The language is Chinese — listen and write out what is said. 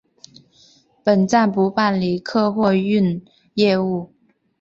本站不办理客货运业务。